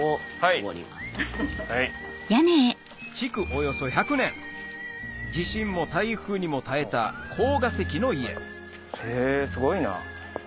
およそ１００年地震も台風にも耐えたコーガ石の家へぇすごいな。